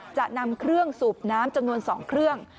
จะนำเครื่องสูบน้ำจำนวน๒เครื่อง